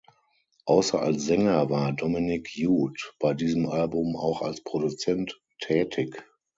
Ausser als Sänger war Dominik Jud bei diesem Album auch als Produzent tätig.